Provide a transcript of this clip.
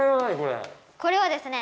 これはですね。